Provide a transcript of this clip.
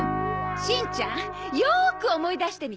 しんちゃんよーく思い出してみて？